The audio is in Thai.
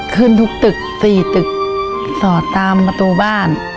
ขึ้นทุกตึก๔ตึกสอดตามประตูบ้าน